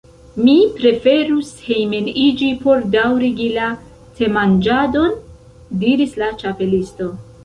« Mi preferus hejmeniĝi por daŭrigi la temanĝadon," diris la Ĉapelisto.